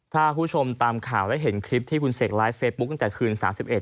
ถ้าผู้ชมตามข่าวได้เห็นคลิปที่คุณเศกไลฟ์เฟซบุ๊กตั้งแต่คืน๓๑